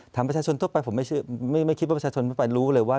ประชาชนทั่วไปผมไม่คิดว่าประชาชนทั่วไปรู้เลยว่า